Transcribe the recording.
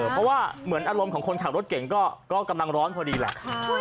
เพราะว่าเหมือนอารมณ์ของคนขับรถเก่งก็กำลังร้อนพอดีแหละ